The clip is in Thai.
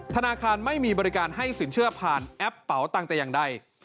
ธนาคารไม่มีบริการให้สินเชื่อผ่านแอปเป๋าตังค์แต่อย่างใด